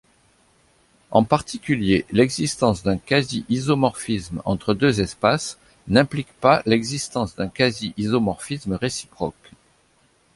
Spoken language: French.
En particulier, l'existence d'un quasi-isomorphisme entre deux espaces n'implique pas l'existence d'un quasi-isomorphisme réciproque.